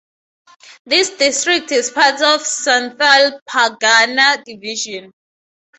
This district is part of Santhal Pargana division.